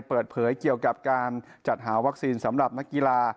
เปิดเผยเกี่ยวกับการจัดหาวัคซีนสำหรับนักกีฬา